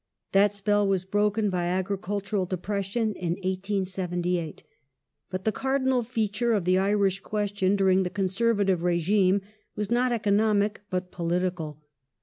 1874 1880' That spell was broken by agricultural depression in 1878, but the cardinal feature of the Irish question during the Conservative regime was not economic but political.